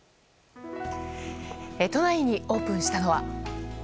都内にオープンしたのは。